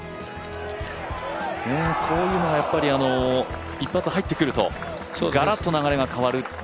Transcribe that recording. こういうのがやっぱり一発入ってくるとガラッと流れが変わるという。